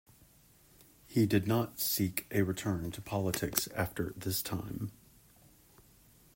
He did not seek a return to politics after this time.